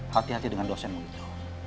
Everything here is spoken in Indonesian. hati hati dengan dosenmu gitu